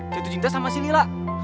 jatuh cinta sama si lila